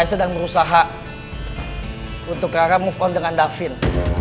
saya sedang berusaha untuk karena move on dengan davin